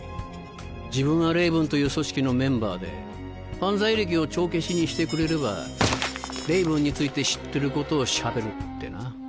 自分はレイブンという組織のメンバーで犯罪歴を帳消しにしてくれればレイブンについて知ってることを喋るってな。